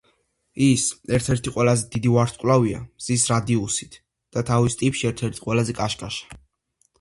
ის ერთ-ერთი ყველაზე დიდი ვარსკვლავია მზის რადიუსით და თავის ტიპში ერთ-ერთი ყველაზე კაშკაშა.